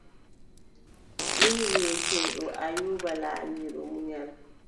Min wiʼeteeɗo Ayuuba laamiɗo munyal.